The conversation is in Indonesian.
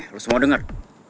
nih lu semua denger